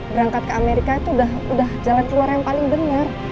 berangkat ke amerika itu udah jalan keluar yang paling benar